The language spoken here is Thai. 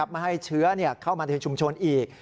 ไม่ให้เชื้อเข้ามาในชุมชนอีก